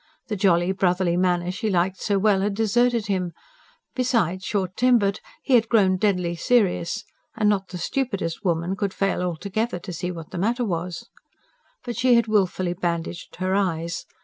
The jolly, brotherly manner she liked so well had deserted him; besides short tempered he had grown deadly serious, and not the stupidest woman could fail altogether to see what the matter was. But she had wilfully bandaged her eyes.